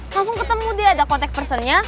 langsung ketemu dia ada contact personnya